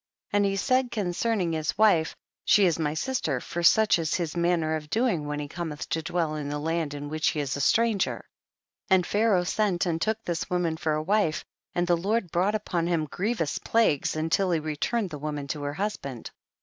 And he said concerning his wife, she is my sister, for such is his manner of doing when he cometh to dwell in the land in which he is a stranger. 21. And Pharaoh sent and took this woman for a wife, and the Lord brought upon him grievous plagues until he returned the woman to her husband.